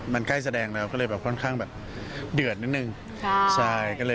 มันใกล้แสดงเราก็เลยแบบค่อนข้างเดือนนิด